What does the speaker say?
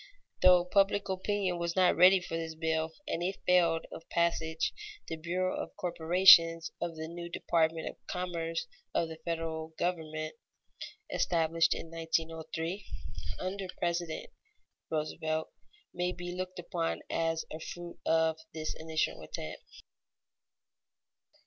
Though public opinion was not ready for this bill, and it failed of passage, the bureau of corporations of the new department of commerce of the federal government, established in 1903 under President Roosevelt, may be looked upon as a fruit of this initial attempt.